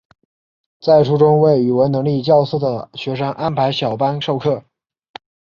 在初中为语文能力较次的学生安排小班授课。